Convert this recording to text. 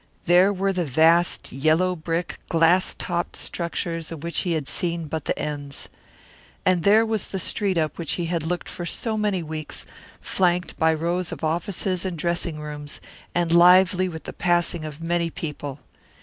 There were the vast yellow brick, glass topped structures of which he had seen but the ends. And there was the street up which he had looked for so many weeks, flanked by rows of offices and dressing rooms, and lively with the passing of many people.